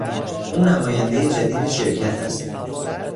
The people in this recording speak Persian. او نمایندهی جدید شرکت است.